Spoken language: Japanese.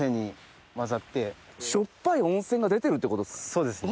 そうですね。